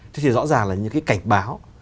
thì rõ ràng là những cái cảnh báo